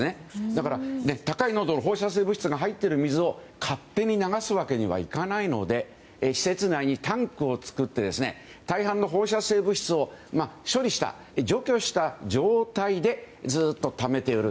だから、高い濃度の放射性物質が入っている水を勝手に流すわけにはいかないので施設内にタンクを作って大半の放射性物質を処理した、除去した状態でずっとためている。